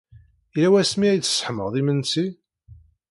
Yella wasmi ay d-tesseḥmaḍ imensi?